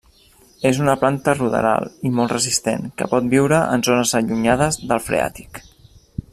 És una planta ruderal i molt resistent, que pot viure en zones allunyades del freàtic.